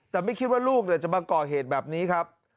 แต่ไม่คิดว่าลูกจะมาก่อเหตุแบบนี้ครับ